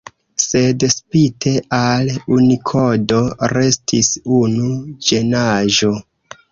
Sed spite al Unikodo restis unu ĝenaĵo.